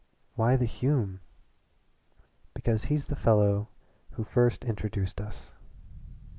"Why the Hume?" "Because he's the fellow who first introduced us."